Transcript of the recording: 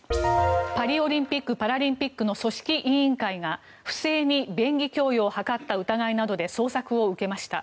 パリオリンピック・パラリンピックの組織委員会が不正に便宜供与を図った疑いなどで捜索を受けました。